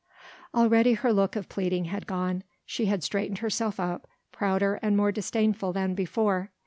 Already her look of pleading had gone. She had straightened herself up, prouder and more disdainful than before.